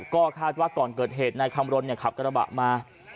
ก็คาดว่าก่อนเกิดเหตุนายคำรณขับกระบะมา